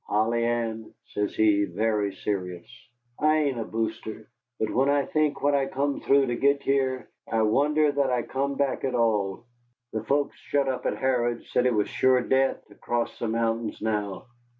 "Polly Ann," says he, very serious, "I ain't a boaster. But when I think what I come through to git here, I wonder that I come back at all. The folks shut up at Harrod's said it was sure death ter cross the mountains now.